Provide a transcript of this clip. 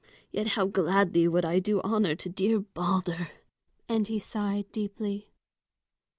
Yet how gladly would I do honor to dear Balder!" and he sighed deeply.